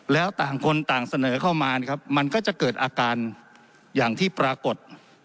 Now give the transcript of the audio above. แล้วต่างคนต่างเสนอเข้ามานะครับมันก็จะเกิดอาการอย่างที่ปรากฏ